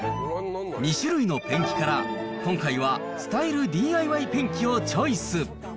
２種類のペンキから、今回はスタイルＤＩＹペンキをチョイス。